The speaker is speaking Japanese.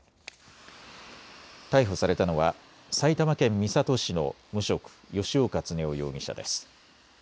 逮捕されたのは埼玉県三郷市の無職、吉岡恒夫容疑者です。